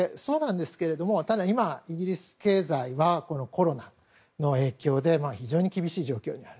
ただ、今イギリス経済はコロナの影響で非常に厳しい状況にある。